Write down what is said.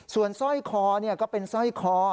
ส่วนสร้อยคอก็เป็นสร้อยคอ